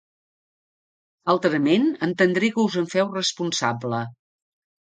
Altrament, entendré que us en feu responsable.